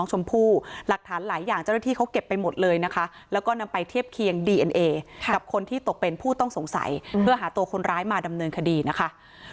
หมดเลยนะคะแล้วก็นำไปเทียบเคียงดีเอ็นเอกับคนที่ตกเป็นผู้ต้องสงสัยเพื่อหาตัวคนร้ายมาดำเนินคดีนะคะ